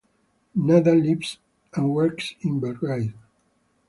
Nada lives and works in Belgrade.